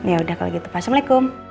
yaudah kalau gitu pak assalamualaikum